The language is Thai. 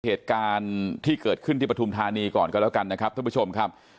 เหตุการณ์ที่เกิดขึ้นที่ปฐุมธานีก่อนก็แล้วกันนะครับท่านผู้ชมครับ